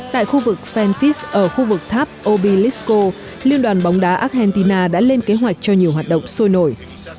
tại khu vực fanfics ở khu vực tháp obelisco liên đoàn bóng đá argentina đã lên kế hoạch cho nhiều hoạt động sôi nổi